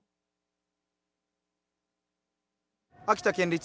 秋田県立